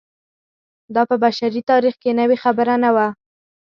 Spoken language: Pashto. دا په بشري تاریخ کې نوې خبره نه وه.